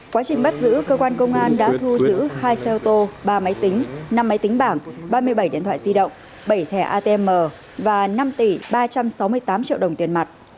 quá trình bắt giữ cơ quan công an đã thu giữ hai xe ô tô ba máy tính năm máy tính bảng ba mươi bảy điện thoại di động bảy thẻ atm và năm tỷ ba trăm sáu mươi tám triệu đồng tiền mặt